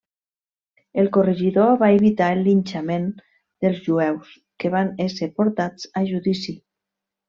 El corregidor va evitar el linxament dels jueus, que van ésser portats a judici.